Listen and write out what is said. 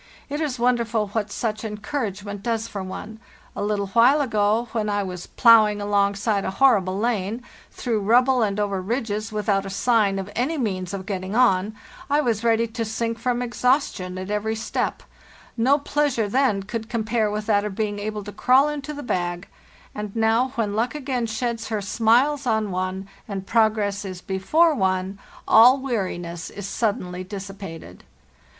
It is wonderful what such encouragement does for one. A little while ago, when I was ploughing alongside a horrible lane, through rubble and over ridges, without a sign of any means of getting on, I was ready to sink from exhaustion at every step; no pleasure then could compare with that of being able to crawl into the bag; and now, when luck again sheds her smiles on one and progress is before one, all weariness is suddenly dissipated.